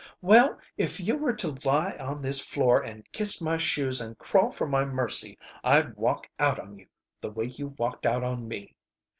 Well, if you were to lie on this floor and kiss my shoes and crawl for my mercy I'd walk out on you the way you walked out on me.